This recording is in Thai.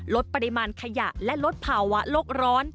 ลดปริมาณขยะและลดภาวะโลกร้อน